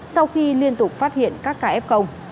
sau khi liên tục phát hiện các kf